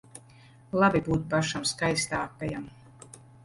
Labi būt pašam skaistākajam.